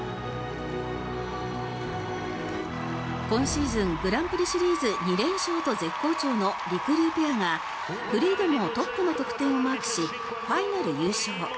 今シーズングランプリシリーズ２連勝と絶好調のりくりゅうペアがフリーでもトップの得点をマークしファイナル優勝。